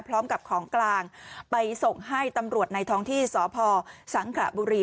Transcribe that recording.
พร้อมกับของกลางไปส่งให้ตำรวจในท้องที่สพสังขระบุรี